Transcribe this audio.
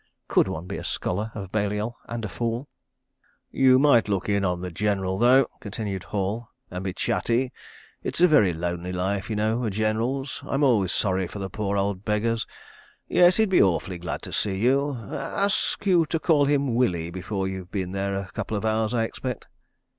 Could one be a Scholar of Balliol and a fool? ... "You might look in on the General, though," continued Hall, "and be chatty. ... It's a very lonely life, y'know, a General's. I'm always sorry for the poor old beggars. Yes—he'd be awfully glad to see you. ... Ask you to call him Willie before you'd been there a couple of hours, I expect."